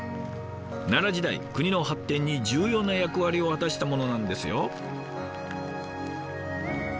奈良時代国の発展に重要な役割を果たしたものなんですよ。